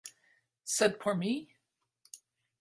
Sed por mi?